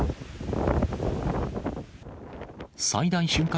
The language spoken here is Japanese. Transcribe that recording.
最大瞬間